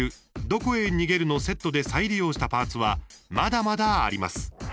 どこへ逃げる？」のセットで再利用したパーツはまだまだあります。